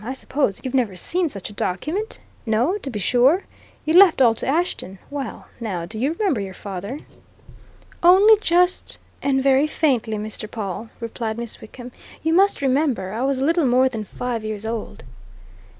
I suppose you've never seen such a document? No, to be sure! You left all to Ashton. Well, now, do you remember your father?" "Only just and very faintly, Mr. Pawle," replied Miss Wickham. "You must remember I was little more than five years old."